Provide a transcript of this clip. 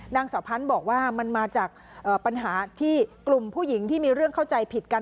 นางสาวพันธุ์บอกว่ามันมาจากปัญหาที่กลุ่มผู้หญิงที่มีเรื่องเข้าใจผิดกัน